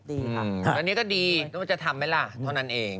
ตอนนี้ก็ดีต้องจะทำไหมล่ะเท่านั้นเอง